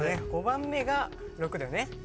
５番目が６だよね。